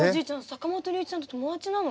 坂本龍一さんと友達なの？